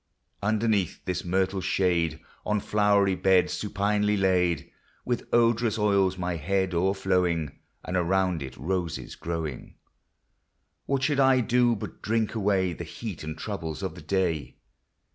LTxderxeath this myrtle shade, On flowery beds supinely laid, With odorous oils my head o'erflowing, And around it roses growing, What should I do but drink away The heat and troubles of the day